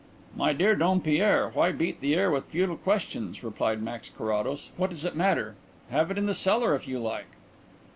"My dear Dompierre, why beat the air with futile questions?" replied Max Carrados. "What does it matter? Have it in the cellar if you like."